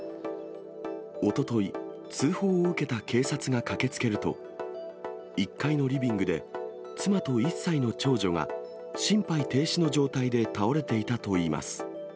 おととい、通報を受けた警察が駆けつけると、１階のリビングで、妻と１歳の長女が、心肺停止の状態で倒れていたといいます。